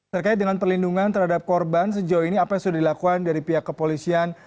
terkait dengan perlindungan terhadap korban sejauh ini apa yang sudah dilakukan dari pihak kepolisian